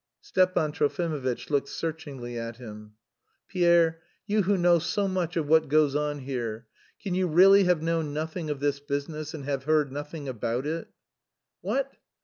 Stepan Trofimovitch looked searchingly at him. "Pierre, you who know so much of what goes on here, can you really have known nothing of this business and have heard nothing about it?" "What?